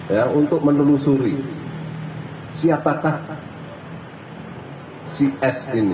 ya untuk menelusuri siapakah si s ini